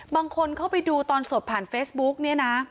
บางคนเข้าไปดูตอนสดผ่านเฟซบุ๊กเนี่ยนะ